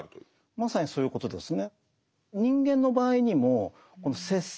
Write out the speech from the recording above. まさにそういうことですね。